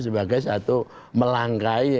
sebagai satu melangkai